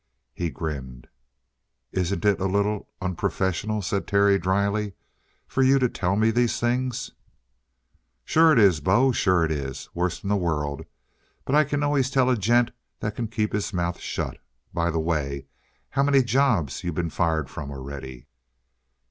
He grinned. "Isn't it a little unprofessional," said Terry dryly, "for you to tell me these things?" "Sure it is, bo sure it is! Worst in the world. But I can always tell a gent that can keep his mouth shut. By the way, how many jobs you been fired from already?"